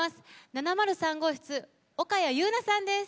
７０３号室、岡谷柚奈さんです。